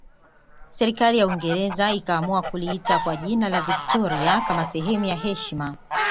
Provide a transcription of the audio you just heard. Serikali ya Uingereza ikaamua kuliita kwa jina la Victoria kama sehemu ya heshima